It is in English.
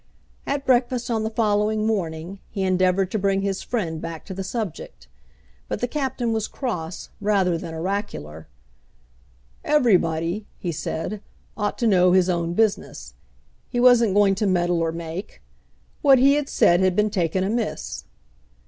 At breakfast on the following morning he endeavoured to bring his friend back to the subject. But the Captain was cross, rather than oracular. "Everybody," he said, "ought to know his own business. He wasn't going to meddle or make. What he had said had been taken amiss."